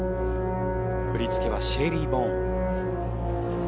振り付けはシェイリーン・ボーン。